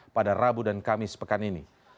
pada rabu dan kamis pekan ini